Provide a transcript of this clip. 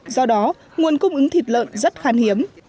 do đó nguồn cung ứng thịt lợn rất khan hiếm